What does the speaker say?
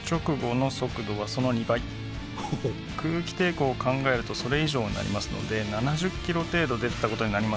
空気抵抗を考えるとそれ以上になりますので７０キロ程度出てたことになりますね。